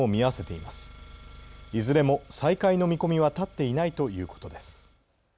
いずれも再開の見込みは立っていないということです。